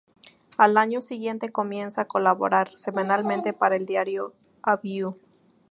Al año siguiente comienza a colaborar semanalmente para el diario Avui.